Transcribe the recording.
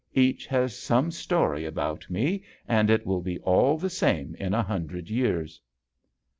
Each has some story about me, and it will be all the same in a hundred years."